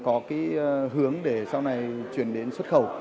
các doanh nghiệp có cái hướng để sau này chuyển đến xuất khẩu